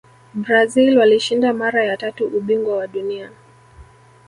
brazil walishinda mara ya tatu ubingwa wa dunia